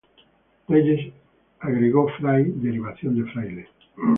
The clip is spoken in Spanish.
Reyes agregó Fray, derivación de fraile.